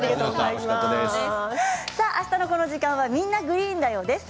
あしたのこの時間は「みんな！グリーンだよ」です。